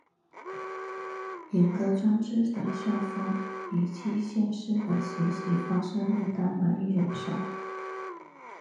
严格专制的校风与机械式的学习方式令他难以忍受。